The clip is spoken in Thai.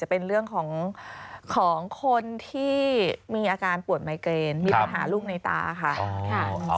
เป็นเรื่องของคนที่มีอาการปวดไมเกรนมีปัญหาลูกในตาค่ะ